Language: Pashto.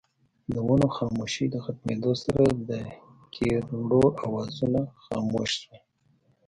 د ونو خاموشۍ د ختمېدو سره دکيرړو اوازونه خاموش شول